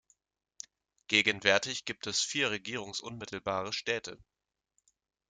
Gegenwärtig gibt es vier regierungsunmittelbare Städte.